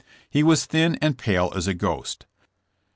He was thin and pale as a ghost.